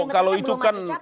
kalau itu kan